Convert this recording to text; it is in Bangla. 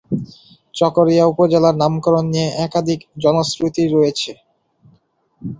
চকরিয়া উপজেলার নামকরণ নিয়ে একাধিক জনশ্রুতি রয়েছে।